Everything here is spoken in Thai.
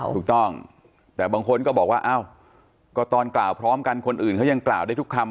ถูกต้องแต่บางคนก็บอกว่าอ้าวก็ตอนกล่าวพร้อมกันคนอื่นเขายังกล่าวได้ทุกคำ